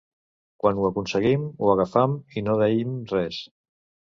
Quan ho aconseguim, ho agafam i no deim res.